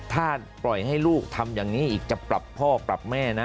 ถ้าปล่อยให้ลูกทำอย่างนี้อีกจะปรับพ่อปรับแม่นะ